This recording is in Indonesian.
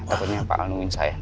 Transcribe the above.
takutnya pak alu alunya saya